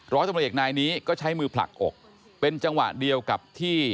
ร้อยตำรวจเอกนายนี้ก็ใช้มือผลักอกเป็นจังหวะเดียวกับที่